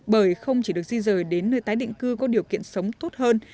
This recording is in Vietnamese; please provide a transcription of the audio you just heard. bởi không chỉ được di rời đến nơi tái định cư có điều kiện sống tốt hơn